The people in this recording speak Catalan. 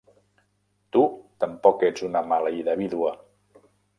Tu tampoc ets una maleïda vídua!